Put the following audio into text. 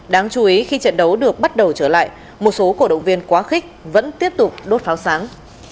đáng chú ý khi trận đấu được bắt đầu trở lại một số cổ động viên quá khích vẫn tiếp tục đốt pháo sáng